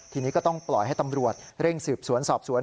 ทีนี้ก็ต้องปล่อยให้ตำรวจเร่งสืบสวนสอบสวน